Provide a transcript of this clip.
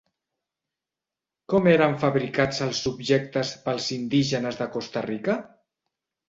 Com eren fabricats els objectes pels indígenes de Costa Rica?